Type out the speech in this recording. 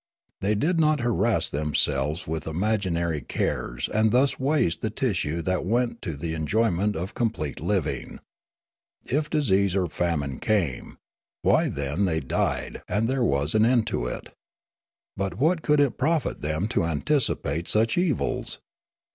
They did not harass themselv^es with imagin ary cares and thus waste the tissue that went to the enjoyment of complete living. If disease or famine came, why then they died and there vv^as an end of it. But what could it profit them to anticipate such evils